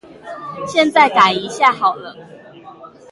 現在改一下好了